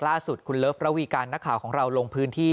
ล่าสุดคุณเลิฟระวีการนักข่าวของเราลงพื้นที่